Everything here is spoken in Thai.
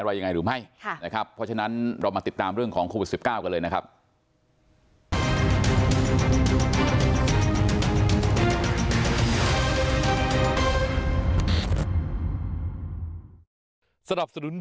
อะไรยังไงหรือไม่นะครับเพราะฉะนั้นเรามาติดตามเรื่องของโควิด๑๙กันเลยนะครับ